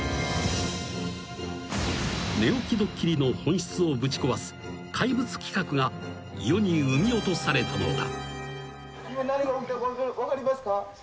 ［寝起きドッキリの本質をぶち壊す怪物企画が世に産み落とされたのだ］